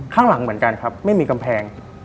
ข้างหลังเหมือนกันครับไม่มีกำแพง